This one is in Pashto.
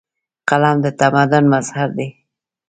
قلم د تمدن مظهر دی.